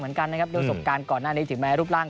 เหมือนกันนะครับโดยประสบการณ์ก่อนหน้านี้ถึงแม้รูปร่าง